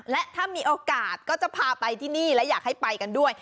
และถ้ามีโอกาสก็จะพาไปที่นี่และอยากให้ไปกันด้วย